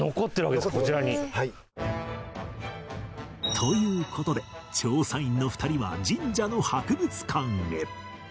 という事で調査員の２人は神社の博物館へ